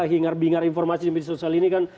hingar bingar informasi di media sosial ini kan